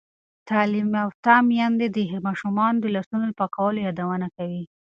تعلیم یافته میندې د ماشومانو د لاسونو پاکولو یادونه کوي.